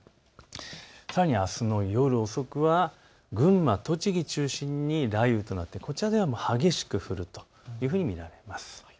さらにあすの夜遅くは群馬、栃木中心に雷雨となってこちらでは激しく降るというふうに見られます。